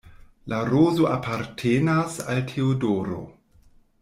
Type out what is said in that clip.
La rozo apartenas al Teodoro.